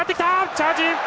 チャージ。